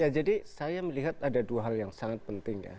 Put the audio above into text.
ya jadi saya melihat ada dua hal yang sangat penting ya